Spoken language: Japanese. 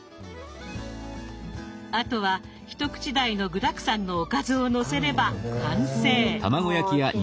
あとは一口大の具だくさんのおかずをのせれば完成。